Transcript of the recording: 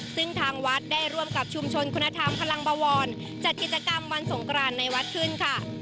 ซึ่งทางวัดได้ร่วมกับชุมชนคุณธรรมพลังบวรจัดกิจกรรมวันสงกรานในวัดขึ้นค่ะ